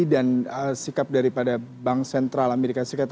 dan sikap daripada bank sentral amerika serikat